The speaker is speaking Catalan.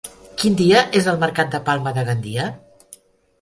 Quin dia és el mercat de Palma de Gandia?